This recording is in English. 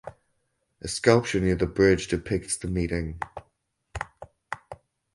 A sculpture near the bridge depicts the meeting.